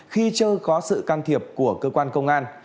khi chưa có sự can thiệp của cơ quan công an